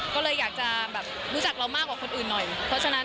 ก็เลยอยากจะแบบรู้จักเรามากกว่าคนอื่นหน่อยเพราะฉะนั้น